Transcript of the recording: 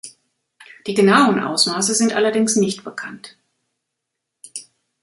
Die genauen Ausmaße sind allerdings nicht bekannt.